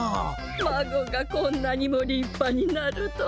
まごがこんなにもりっぱになるとは。